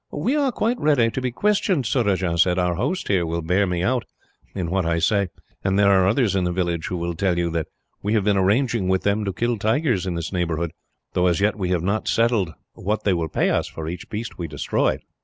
"We are quite ready to be questioned," Surajah said. "Our host, here, will bear me out in what I say, and there are others in the village who will tell you that we have been arranging, with them, to kill tigers in this neighbourhood; though as yet we have not settled what they will pay us for each beast we destroy."